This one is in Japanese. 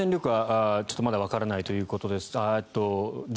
ちょっとまだわからないということです。